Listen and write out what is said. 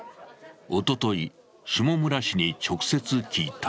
おととい、下村氏に直接聞いた。